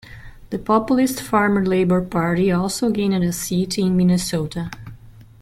The populist Farmer-Labor Party also gained a seat in Minnesota.